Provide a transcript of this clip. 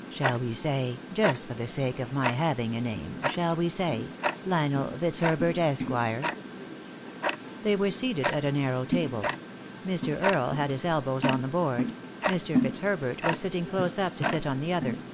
" Shall we say, just for the sake of my having a name — shall we say — Lionel Fitzherbert, Esquire ?" They were seated at a narrow table. Mr. Earle had his elbows on the board ; Mr. Fitzherbert was sitting close up to it on the other.